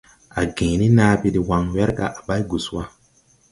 A gęę ni naabe dè wan, wɛrga à bày gus wa.